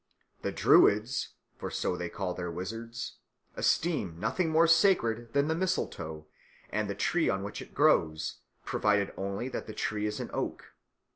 The Druids, for so they call their wizards, esteem nothing more sacred than the mistletoe and the tree on which it grows, provided only that the tree is an oak.